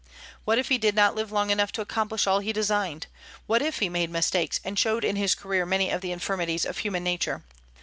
What if he did not live long enough' to accomplish all he designed! What if he made mistakes, and showed in his career many of the infirmities of human nature!